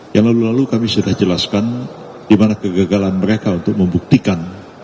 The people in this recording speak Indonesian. yang lalu lalu kami sudah jelaskan di mana kegagalan mereka untuk membuktikan